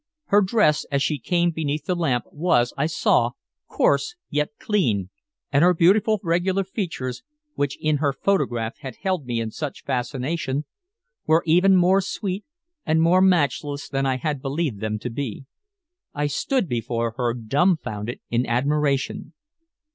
Her dress, as she came beneath the lamp, was, I saw, coarse, yet clean, and her beautiful, regular features, which in her photograph had held me in such fascination, were even more sweet and more matchless than I had believed them to be. I stood before her dumbfounded in admiration.